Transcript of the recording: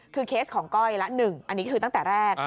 คือเคสของก้อยละ๑อันนี้คือตั้งแต่แรก